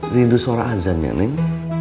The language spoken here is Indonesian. rindu suara azan ya neng